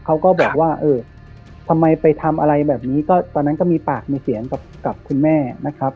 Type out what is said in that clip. เขาก็บอกว่าเออทำไมไปทำอะไรแบบนี้ก็ตอนนั้นก็มีปากมีเสียงกับคุณแม่นะครับ